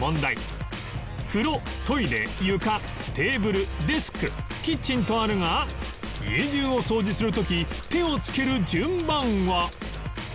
風呂・トイレ床テーブル・デスクキッチンとあるが家中を掃除する時手を付ける順番は